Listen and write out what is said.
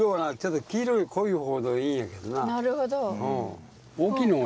なるほど。